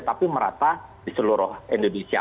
tapi merata di seluruh indonesia